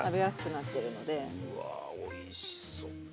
うわおいしそう。